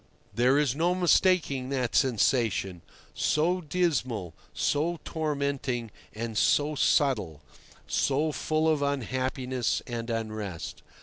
There is no mistaking that sensation, so dismal, so tormenting and so subtle, so full of unhappiness and unrest.